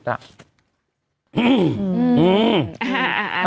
อื้ม